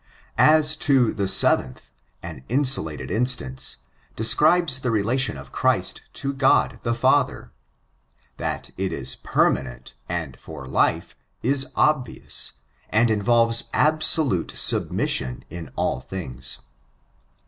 582 8XBKITUBU So the seventh, aa insulated instance, describes relation of Christ to G^od the Father. Hat it m permanent, and &r life, is obvious, and involves abeohite submission in all diings.